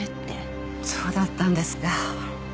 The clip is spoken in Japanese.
そうだったんですか。